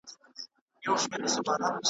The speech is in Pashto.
اوس په خپله د انصاف تله وركېږي .